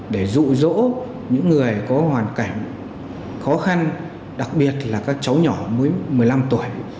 để dụ dỗ những người có hoàn cảnh khó khăn đặc biệt là các cháu nhỏ mới một mươi năm tuổi